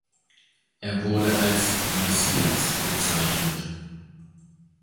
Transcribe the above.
Er wurde als „Messias“ bezeichnet.